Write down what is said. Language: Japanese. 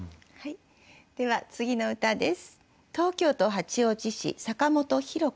では次の歌です。